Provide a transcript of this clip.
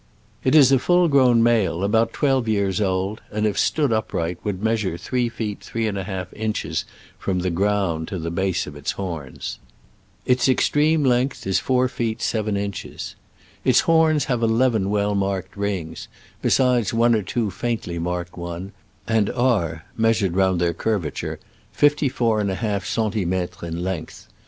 It is a full grown male about twelve years old, and if it stood upright would measure three feet three and a half inches from the ground to the base of its horns. Its extreme length is four feet Digitized by Google 128 SCRAMBLES AMONGST THE ALPS IN i86o '69. seven inches. Its horns have eleven well marked rings, besides one or two faintly marked ones, and are (measured round their curvature) fifty four and a half centimetres in length.